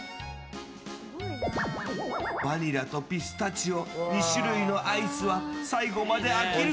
バニラとピスタチオ２種類のアイスは最後まで飽きる